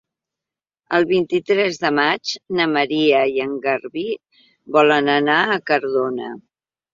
El vint-i-tres de maig na Maria i en Garbí volen anar a Cardona.